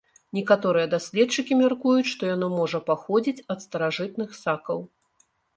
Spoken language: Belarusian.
Некаторыя даследчыкі мяркуюць, што яно можа паходзіць ад старажытных сакаў.